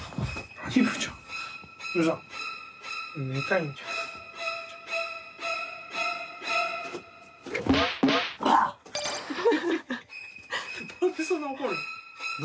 なんでそんな怒るの？